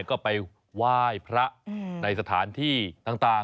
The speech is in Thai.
ก็ไปไหว้พระในสถานที่ต่าง